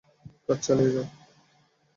কাজ চালিয়ে যাও!